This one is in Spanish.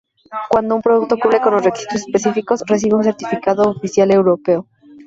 Cuando un producto cumple con los requisitos especificados recibe un certificado oficial europeo.